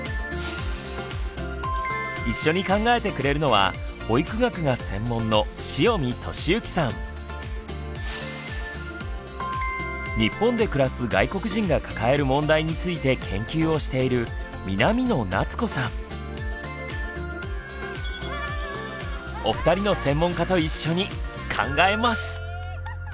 一緒に考えてくれるのは保育学が専門の日本で暮らす外国人が抱える問題について研究をしているお二人の専門家と一緒に考えます。